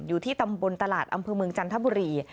อยู่ที่ตำบลตลาดอำเภอเมืองจันทบุรี